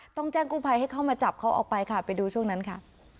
ต้องแจ้งกู้ภัยให้เข้ามาจับเขาออกไปค่ะไปดูช่วงนั้นค่ะ